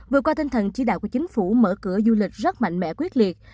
vừa qua tinh thần chỉ đạo của chính phủ mở cửa du lịch rất mạnh mẽ quyết liệt